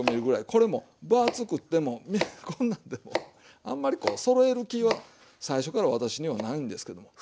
これも分厚くてもこんなんでもあんまりこうそろえる気は最初から私にはないんですけど。